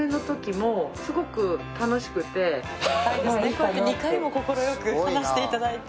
こうやって２回も快く話していただいて。